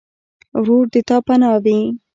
ورور د تا پناه وي.